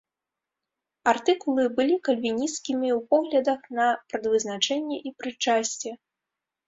Артыкулы былі кальвінісцкімі ў поглядах на прадвызначэнне і прычасце.